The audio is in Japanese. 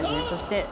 そして。